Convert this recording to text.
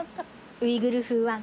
ウイグル風ワンタン。